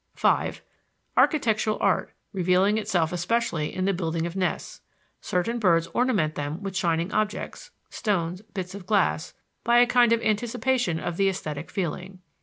(5) Architectural art, revealing itself especially in the building of nests: certain birds ornament them with shining objects (stones, bits of glass), by a kind of anticipation of the esthetic feeling.